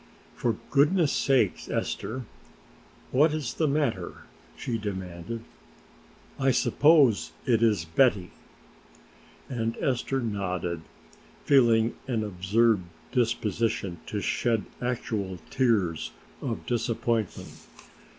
"For goodness' sake, Esther, what is the matter?" she demanded. "I suppose it is Betty!" And Esther nodded, feeling an absurd disposition to shed actual tears of disappointment.